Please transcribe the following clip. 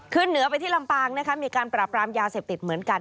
เหนือไปที่ลำปางนะคะมีการปราบรามยาเสพติดเหมือนกัน